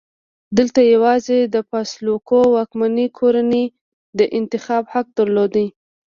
دلته یوازې د فاسولوکو واکمنې کورنۍ د انتخاب حق درلود.